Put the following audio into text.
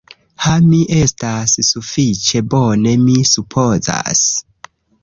Ha, mi estas sufiĉe bone, mi supozas.